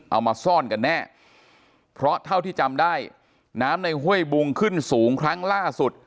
เอามาซ่อนกันแน่เพราะเท่าที่จำได้น้ำในห้วยบุงขึ้นสูงครั้งล่าสุด